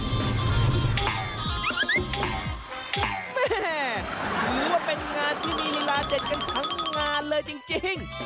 แม่ถือว่าเป็นงานที่มีลีลาเด็ดกันทั้งงานเลยจริง